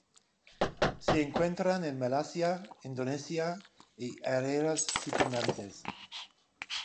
Se encuentran en Malasia, Indonesia y áreas circundantes.